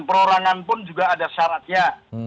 perorangan pun juga ada syaratnya